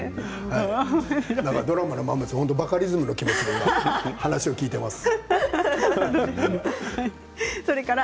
ドラマのままバカリズムの気持ちで話を聞いています。